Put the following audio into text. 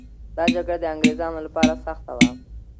دا جګړه د انګریزانو لپاره سخته وه.